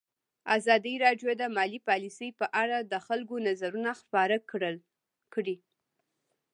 ازادي راډیو د مالي پالیسي په اړه د خلکو نظرونه خپاره کړي.